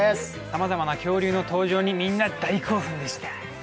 さまざまな恐竜の登場にみんな大興奮でした。